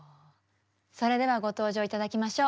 それではご登場頂きましょう。